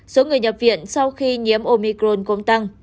số người nhập viện sau khi nhiễm omicron cũng tăng